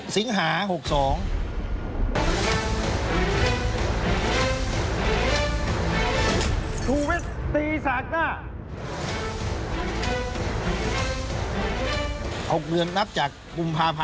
สิงหา๖๒